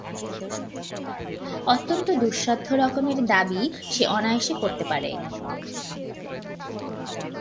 অত্যন্ত দুঃসাধ্য রকমের দাবি সে অনায়াসে করতে পারে।